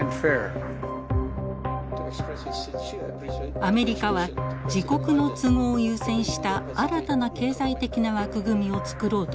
アメリカは自国の都合を優先した新たな経済的な枠組みをつくろうとしています。